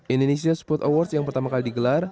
indonesia sport awards yang pertama kali digelar